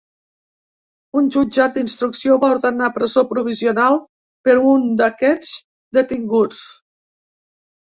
Un jutjat d’instrucció va ordenar presó provisional per a un d’aquests detinguts.